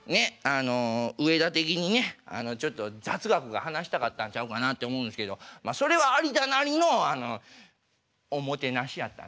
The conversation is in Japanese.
あの上田的にねあのちょっと雑学が話したかったんちゃうかなって思うんですけどまあそれは有田なりのおもてなしやったんちゃうかな。